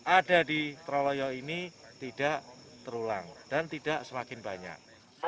ada di troloyo ini tidak terulang dan tidak semakin banyak